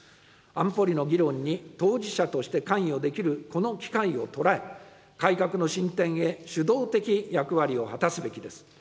安保理の議論に当事者として関与できるこの機会を捉え、改革の進展へ主導的役割を果たすべきです。